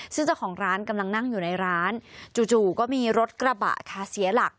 ซึ่งเจ้าของร้านกำลังนั่งอยู่ในร้านจู่ก็มีรถกระบะค่ะเสียหลัก